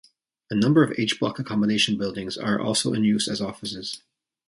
A number of H-block accommodation buildings are also in use as offices.